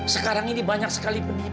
sekarang ini banyak orang yang berpikir mama